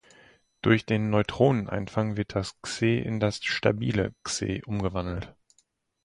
Durch den Neutroneneinfang wird das Xe in das stabile Xe umgewandelt.